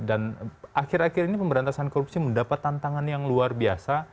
dan akhir akhir ini pemberantasan korupsi mendapat tantangan yang luar biasa